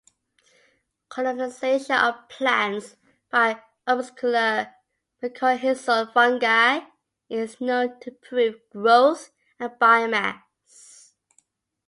Colonization of plants by arbuscular mycorrhizal fungi is known to improve growth and biomass.